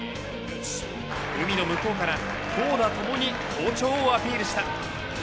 海の向こうから投打ともに好調をアピールした。